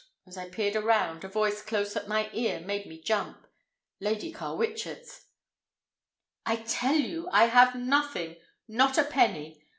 As I peered around, a voice close at my ear made me jump—Lady Carwitchet's! "I tell you I have nothing, not a penny!